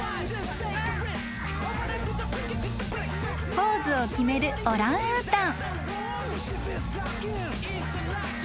［ポーズを決めるオランウータン］